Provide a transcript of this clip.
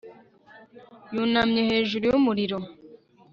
yunamye hejuru y'umuriro